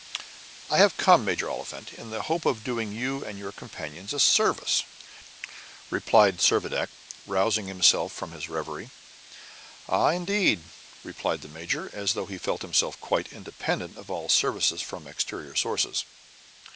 "I have come, Major Oliphant, in the hope of doing you and your companions a service," replied Servadac, rousing himself from his reverie. "Ah, indeed!" replied the major, as though he felt himself quite independent of all services from exterior sources.